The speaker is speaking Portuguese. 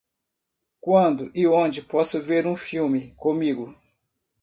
Quando e onde posso ver um filme comigo?